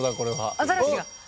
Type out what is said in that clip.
アザラシが！